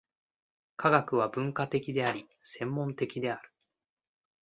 科学は分科的であり、専門的である。